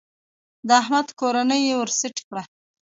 د احمد کورنۍ يې ور سټ کړه.